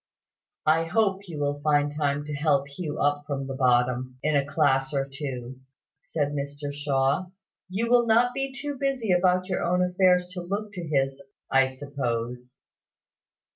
"I hope you will find time to help Hugh up from the bottom, in a class or two," said Mr Shaw. "You will not be too busy about your own affairs to look to his, I suppose."